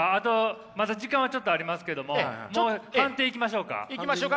まだ時間はちょっとありますけどももう判定いきましょうか。